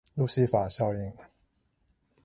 路西法效應